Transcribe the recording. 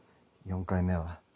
４回目は。